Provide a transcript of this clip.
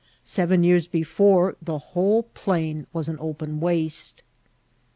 Seven years before the whole plain was an open waste.